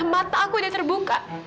mata aku sudah terbuka